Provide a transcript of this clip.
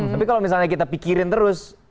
tapi kalau misalnya kita pikirin terus